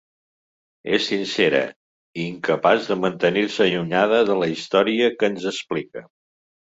És sincera, i incapaç de mantenir-se allunyada de la història que ens explica.